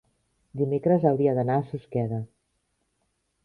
dimecres hauria d'anar a Susqueda.